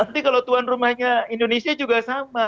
nanti kalau tuan rumahnya indonesia juga sama